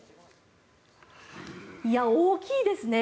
大きいですね。